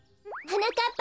はなかっ